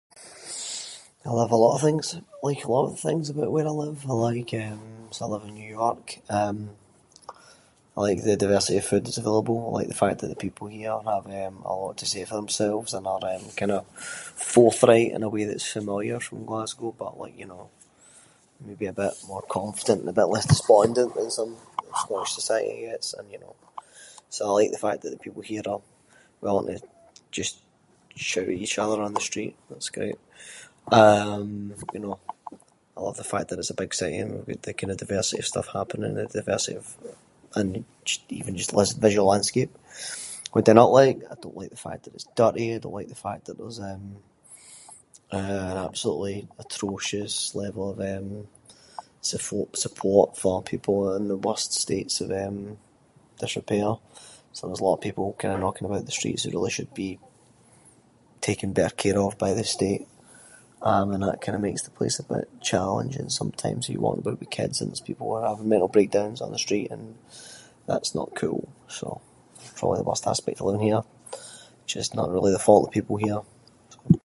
I love a lot of things- like a lot of things about where I live. I like, eh- so I live in New York. Eh, I like the diversity of food that’s available, I like the fact that the people here have, eh, a lot to say for themselves and are kind of forthright in a way that’s familiar from Glasgow, but like you know, maybe a bit more confident and a bit less despondent than some of Scottish society is, and you know- So, I like the fact that the people here are willing to just shout at each other on the street, that’s great. Um, you know, I love the fact that it’s a big city and we’ve got the kind of diversity of stuff happening, the diversity of- and jus- even just the visual landscape. What do I not like? I don’t like the fact that it’s dirty, I don’t like the fact that there’s eh- eh an absolutely atrocious level of eh support for people in the worst states of eh disrepair. So there’s a lot of people kind of knocking about the streets that really should be taken better care of by the state. Um, and that kind of makes the place a bit challenging sometimes, if you’re walking aboot with kids and there’s people that are having mental breakdowns on the street and that’s not cool, so that’s probably the worst aspect of living here. Which is not really the fault of people here.